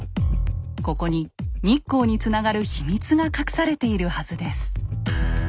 ここに日光につながる秘密が隠されているはずです。